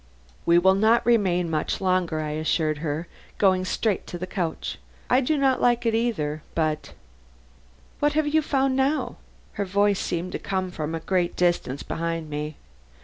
"We will not remain much longer," I assured her, going straight to the couch. "I do not like it either, but " "What have you found now?" Her voice seemed to come from a great distance behind me.